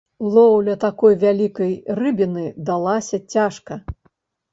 Лоўля такой вялікай рыбіны далася цяжка.